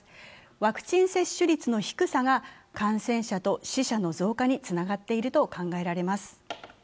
ワクチン接種率の低さが感染者と死者の増加につながっていると考えられます。